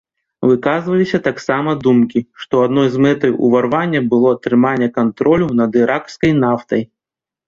Выказваліся таксама думкі, што адной з мэтаў ўварвання было атрыманне кантролю над іракскай нафтай.